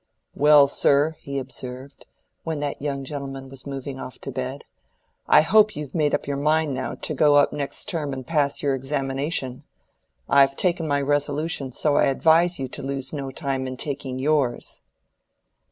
"Well, sir," he observed, when that young gentleman was moving off to bed, "I hope you've made up your mind now to go up next term and pass your examination. I've taken my resolution, so I advise you to lose no time in taking yours."